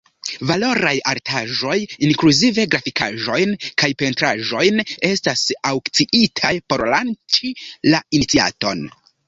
Valoraj artaĵoj – inkluzive grafikaĵojn kaj pentraĵojn – estas aŭkciitaj por lanĉi la iniciaton.